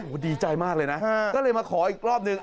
โอ้โหดีใจมากเลยนะก็เลยมาขออีกรอบนึง